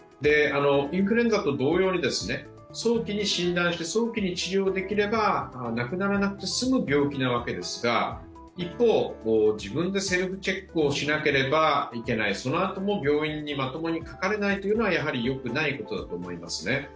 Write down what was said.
インフルエンザと動揺に早期に診断して早期に治療できれば亡くならなくて済む病気なわけですが、セルフチェックしなければならない、そのあとも病院にまともにかかれないというのはやはりよくないことだと思いますね。